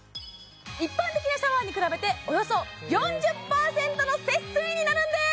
一般的なシャワーに比べておよそ４０％の節水になるんです！